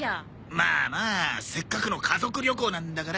まあまあせっかくの家族旅行なんだから。